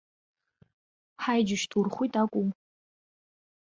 Ҳаи џьушьҭ, урхәит акәу?